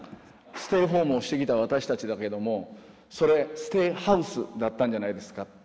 ステイホームをしてきた私たちだけどもそれ「ステイハウス」だったんじゃないですか？